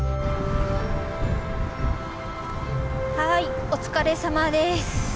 はいお疲れさまです。